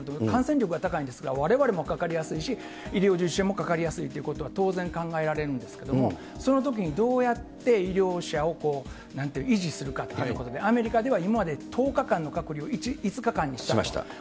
感染力が高いんですが、われわれもかかりやすいし、医療従事者もかかりやすいということは、当然考えられるんですけども、そのときにどうやって医療者を維持するかっていうようなことで、アメリカでは今まで１０日間の隔離を５日間にしました。